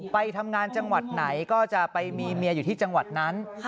ไปทำงานจังหวัดไหนก็จะไปมีเมียอยู่ที่จังหวัดนั้น